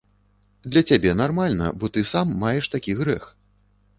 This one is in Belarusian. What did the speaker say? Для цябе нармальна, бо ты сам маеш такі грэх.